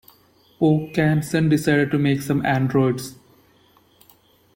Vaucanson decided to make some androids.